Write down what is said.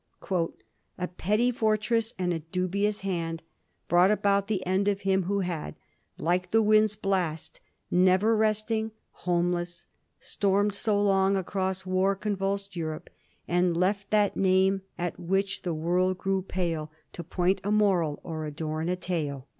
^ A petty fortress and a dubious hand' brought about the end of him who had, * like the wind's blast, never resting, homeless,' stormed so long across war convulsed Europe, and * left that name at which the world grew pale to point a moral or adorn a tale.'